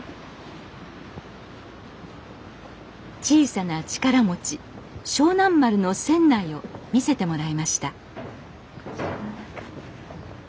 小さな力持ち勝南丸の船内を見せてもらいました